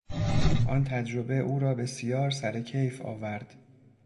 آن تجربه او را بسیار سرکیف آورد.